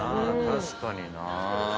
確かにな。